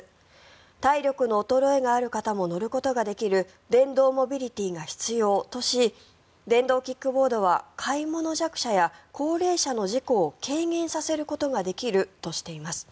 体力の衰えがある方も乗ることができる電動モビリティーが必要とし電動キックボードは買い物弱者や高齢者の事故を軽減させることができるとしています。